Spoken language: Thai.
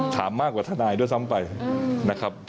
ถามมากกว่าทนายด้วยซ้ำไปนะครับ